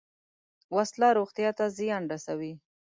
وسله روغتیا ته زیان رسوي